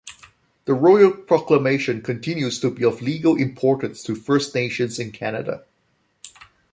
The Royal Proclamation continues to be of legal importance to First Nations in Canada.